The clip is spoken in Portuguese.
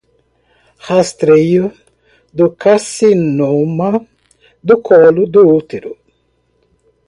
Rastreio do Carcinoma do Colo do Útero